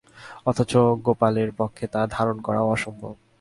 অথচ গোপালের পক্ষে তা ধারণা করাও অসম্ভব।